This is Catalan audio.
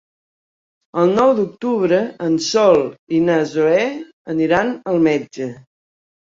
El nou d'octubre en Sol i na Zoè aniran al metge.